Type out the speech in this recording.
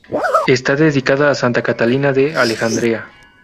Está dedicada a Santa Catalina de Alejandría.